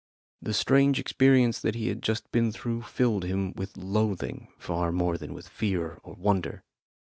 The strange experience that he had just been through filled him with loathing far more than with fear or wonder.